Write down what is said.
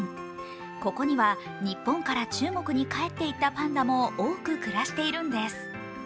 ここには日本から中国に帰っていったパンダも多く暮らしているんです。